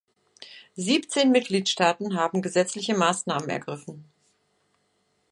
Siebzehn Mitgliedstaaten haben gesetzliche Maßnahmen ergriffen.